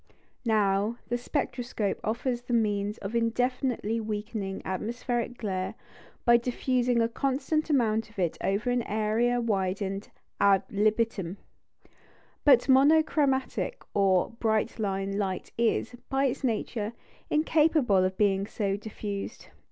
Now the spectroscope offers the means of indefinitely weakening atmospheric glare by diffusing a constant amount of it over an area widened ad libitum. But monochromatic or "bright line" light is, by its nature, incapable of being so diffused.